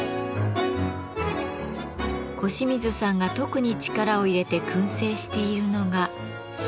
輿水さんが特に力を入れて燻製しているのが。